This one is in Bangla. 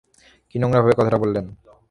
কি নোংরা ভাবে কথাটা বললেন!